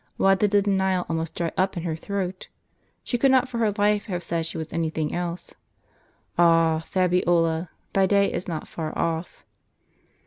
Why did the denial almost dry np in her throat? She could not for her life have said she was any thing else. Ah ! Fabiola, thy day is not far off.